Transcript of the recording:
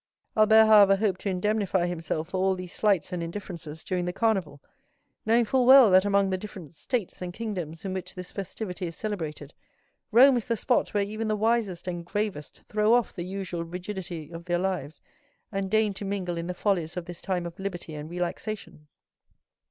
Albert, however, hoped to indemnify himself for all these slights and indifferences during the Carnival, knowing full well that among the different states and kingdoms in which this festivity is celebrated, Rome is the spot where even the wisest and gravest throw off the usual rigidity of their lives, and deign to mingle in the follies of this time of liberty and relaxation.